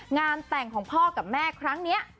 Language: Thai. งานแต่งของพ่อกับแม่ครั้งนี้